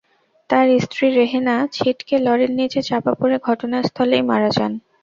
তাঁর স্ত্রী রেহেনা ছিটকে লরির নিচে চাপা পড়ে ঘটনাস্থলেই মারা যান।